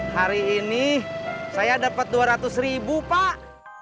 hari ini saya dapat dua ratus ribu pak